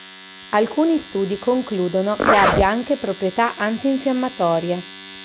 Alcuni studi concludono che abbia anche proprietà antinfiammatorie.